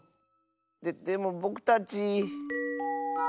ででもぼくたち。